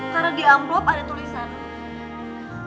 karena di amplop ada tulisan